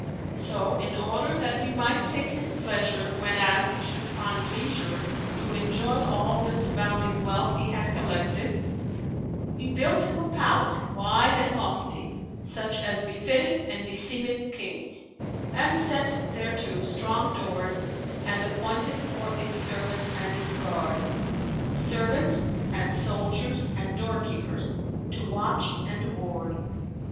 So, in order that he might take his pleasure whenas he should find leisure to enjoy all this abounding wealth he had collected, he built him a palace wide and lofty such as befitteth and beseemeth Kings; and set thereto strong doors and appointed, for its service and its guard, servants and soldiers and doorkeepers to watch and ward.